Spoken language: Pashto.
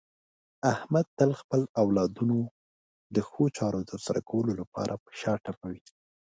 احمد تل خپل اولادونو د ښو چارو د ترسره کولو لپاره په شا ټپوي.